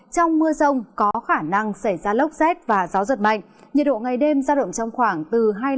trong mưa rông có khả năng xảy ra lốc xét và gió giật mạnh nhiệt độ ngày đêm giao động trong khoảng từ hai mươi năm